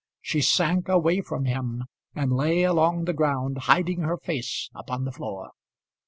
She sank away from him and lay along the ground hiding her face upon the floor.